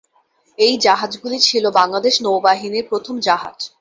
এই জাহাজগুলি ছিল বাংলাদেশ নৌবাহিনীর প্রথম জাহাজ।